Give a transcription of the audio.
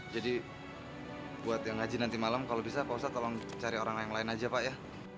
jadi buat yang haji nanti malam kalau bisa pak ustadz tolong cari orang lain aja pak ya